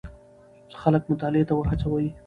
خلک مطالعې ته وهڅوئ.